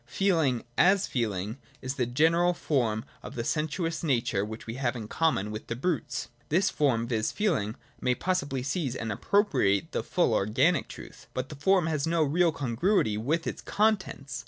Feeling, as feeling, is the general form of the sensuous nature which we have in common with the brutes. This form, viz. feeling, may possibly seize and appropriate the full organic truth : but the form has no real congruity with its contents.